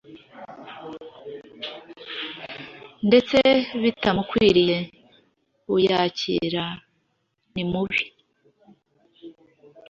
ndetse bitamukwiriye. Uyakira nimubi